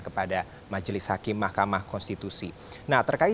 kepada majelis hakim mahkamah konstitusi